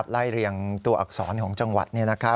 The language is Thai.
ไล่เรียงตัวอักษรของจังหวัด